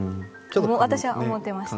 私は思ってました。